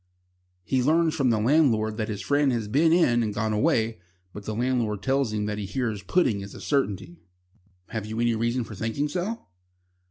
He learns from the landlord that his friend has been in and gone away, but the landlord tells him that he hears Pudding is a certainty. "Have you any reason for thinking so?"